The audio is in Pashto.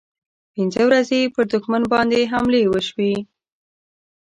پنځه ورځې پر دښمن باندې حملې وشوې.